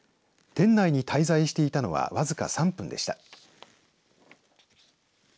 店内に滞在していたのは僅か３分でした。